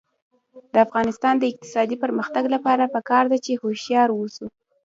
د افغانستان د اقتصادي پرمختګ لپاره پکار ده چې هوښیار اوسو.